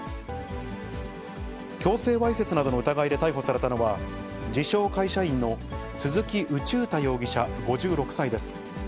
強制わいせつなどの疑いで逮捕されたのは、自称会社員の鈴木宇宙太容疑者５６歳です。